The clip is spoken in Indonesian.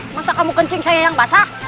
masa kamu kencing saya yang basah